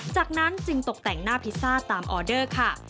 จากนั้นจึงตกแต่งหน้าพิซซ่าตามออเดอร์ค่ะ